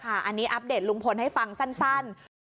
อันนี้อัปเดตลุงพลให้ฟังสั้น